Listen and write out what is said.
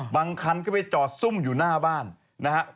บางคันก็ไปจอดซุ่มอยู่หน้าบ้านนะฮะ